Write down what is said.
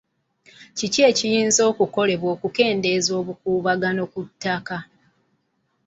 Ki ekirina okukolebwa okukendeeza obukuubagano ku ttaka?